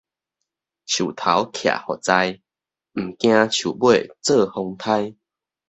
樹頭徛予在，毋驚樹尾做風颱